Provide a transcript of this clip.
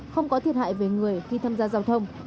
không có thiệt hại về người khi tham gia giao thông